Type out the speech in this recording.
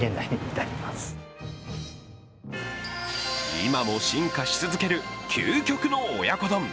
今も進化し続ける究極の親子丼。